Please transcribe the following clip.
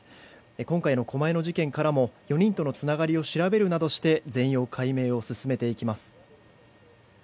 今回の狛江の事件からも４人とのつながりを調べるなどして全容解明を進めていきます。